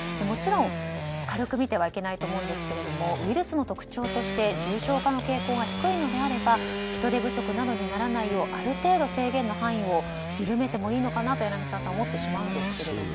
もちろん、軽く見てはいけないと思うんですがウイルスの特徴として重症化の傾向が低いのであれば人手不足にならないようある程度、制限の範囲を緩めてもいいのかなと思ってしまうんですが。